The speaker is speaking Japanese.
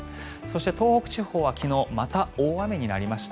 東北地方は昨日また大雨になりました。